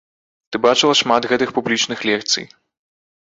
Ты бачыла шмат гэтых публічных лекцый.